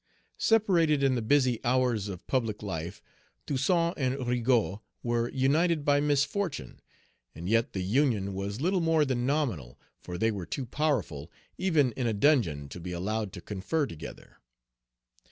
Separated in the busy hours of public life, Toussaint and Rigaud were united by misfortune. And yet the union was little more than nominal, for they were too powerful, even in a dungeon, to be allowed to Page 239 confer together.